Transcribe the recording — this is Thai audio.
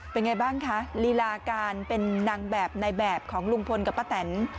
เป็นไงบ้างคะลีลาการเป็นนางแบบในแบบของลุงพลกับป้าแตน